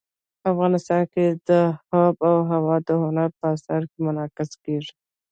افغانستان کې آب وهوا د هنر په اثار کې منعکس کېږي.